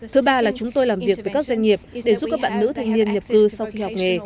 thứ ba là chúng tôi làm việc với các doanh nghiệp để giúp các bạn nữ thanh niên nhập cư sau khi học nghề